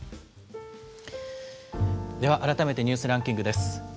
では改めてニュースランキングです。